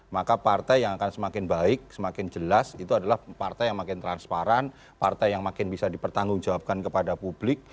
maka partai yang akan semakin baik semakin jelas itu adalah partai yang makin transparan partai yang makin bisa dipertanggungjawabkan kepada publik